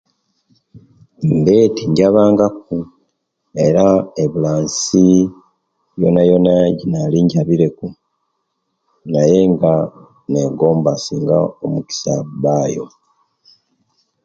Mbe tinjabanga ku era ebula nsi yonayona ejinali injabireku naye nga negomba singa omugisa gubayo